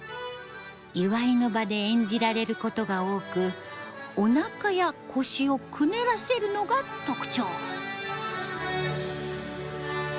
祝いの場で演じられることが多くおなかや腰をくねらせるのが特徴。